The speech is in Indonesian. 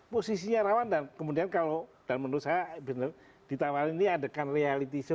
posisinya rawan dan kemudian kalau dan menurut saya benar ditawarin ini adekan reality show